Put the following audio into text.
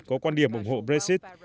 có quan điểm ủng hộ brexit